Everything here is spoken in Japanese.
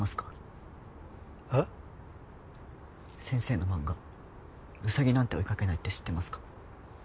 先生の漫画『ウサギなんて追いかけない』って知ってますか？